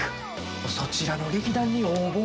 そちらの劇団に応募。